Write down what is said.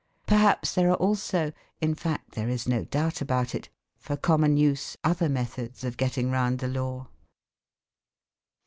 Perhaps there are also (in fact there is no doubt about it) for common use other methods of getting round the law.